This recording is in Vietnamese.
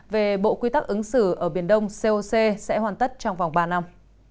về bộ quy tắc ứng xử ở biển đông coc sẽ hoàn tất trong vòng ba năm